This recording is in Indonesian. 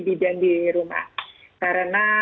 bidan di rumah karena